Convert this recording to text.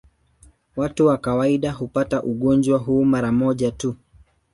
Watu kwa kawaida hupata ugonjwa huu mara moja tu.